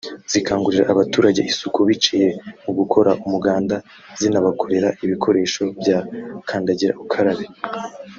zikangurira abaturage isuku biciye mu gukora umuganda zinabakorera ibikoresho bya kandagira ukarabe